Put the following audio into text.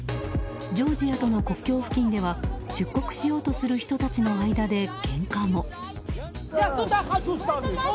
ジョージアとの国境では出国しようとする人たちでけんかも。